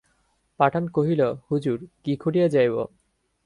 পাঠান কহিল, হুজুর, কী করিয়া যাইব?